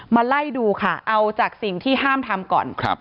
มาไล่ดูค่ะเอาจากสิ่งที่ห้ามทำก่อน